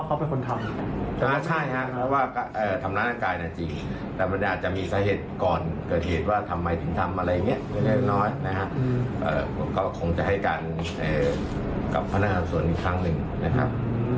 ก็คงจะให้กันกับพนักงานส่วนอีกครั้งหนึ่งนะครับ